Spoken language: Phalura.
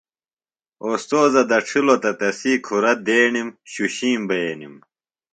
اوستوذہ دڇھلوۡ تہ تسی کُھرہ دیݨِم شُشِیم بئینِم۔